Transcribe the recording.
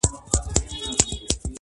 څه ووایم چي یې څرنګه آزار کړم.!